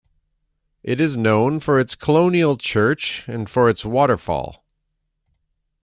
It is known for its colonial church and for its waterfall.